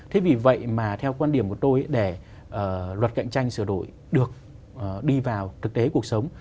thế vì vậy mà theo quan điểm của tôi để luật cạnh tranh sửa đổi được đi vào thực tế cuộc sống